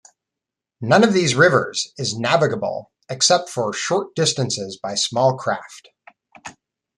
None of these rivers is navigable except for short distances by small craft.